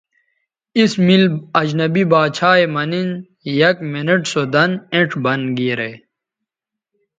اس مِل اجنبی باڇھا یے مہ نِن یک منٹ سو دَن اینڇ بند گیرے